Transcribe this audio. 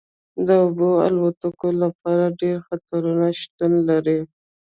د اوبو الوتکو لپاره ډیر خطرونه شتون لري